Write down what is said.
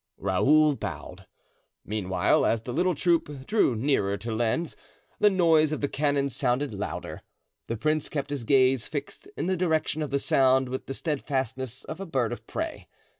Raoul bowed. Meanwhile, as the little troop drew nearer to Lens, the noise of the cannon sounded louder. The prince kept his gaze fixed in the direction of the sound with the steadfastness of a bird of prey.